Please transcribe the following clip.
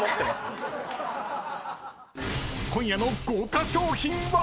［今夜の豪華賞品は⁉］